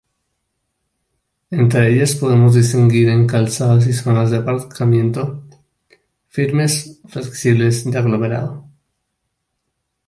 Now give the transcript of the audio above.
Entre ellas podemos distinguir en calzadas y zonas de aparcamiento, firmes flexibles de aglomerado.